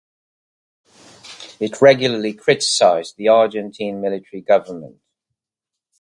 It regularly criticized the Argentine military government.